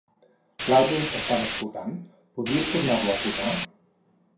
L'àlbum que estava escoltant, podries tornar-lo a posar?